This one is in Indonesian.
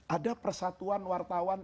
ada persatuan wartawan